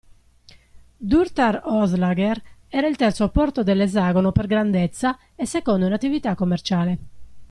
Durtar Oslager era il terzo porto dell'esagono per grandezza e secondo in attività commerciale.